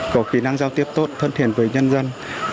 có kỹ năng giao tiếp tốt thân thiện với nhân dân